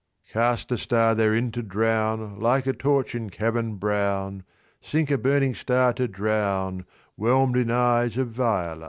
Cast a star therein to drown, Like a torch in cavern brown, Sink a burning star to drown Whelmed in eyes of Viola.